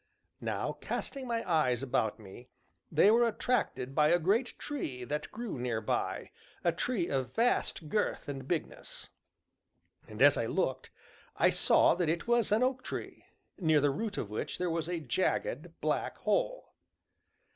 Now, casting my eyes about me, they were attracted by a great tree that grew near by, a tree of vast girth and bigness. And, as I looked, I saw that it was an oak tree, near the root of which there was a jagged, black hole.